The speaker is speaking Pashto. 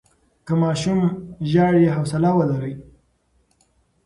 که ماشوم ژاړي، حوصله ولرئ.